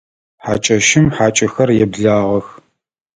Хьакӏэщым хьакӏэхэр еблагъэх.